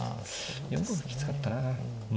４五歩きつかったな。